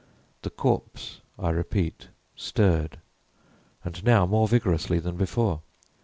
The corpse, I repeat, stirred, and now more vigorously than before.